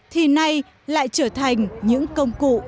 thì nay lại trở thành những công cụ